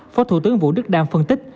phó thủ tướng vũ đức đam phân tích